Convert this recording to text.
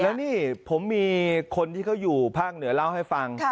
แล้วนี่ผมมีคนที่เขาอยู่ภาคเหนือเล่าให้ฟัง